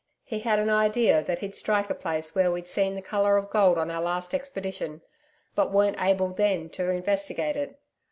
He had an idea that he'd strike a place where we'd seen the colour of gold on our last expedition, but weren't able then to investigate it.